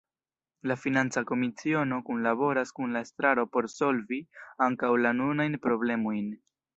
La financa komisiono kunlaboras kun la estraro por solvi ankaŭ la nunajn problemojn.